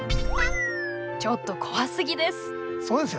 ちょっと怖すぎです！